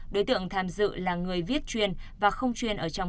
đối tượng tham dự là người viết chuyên và không chuyên ở trong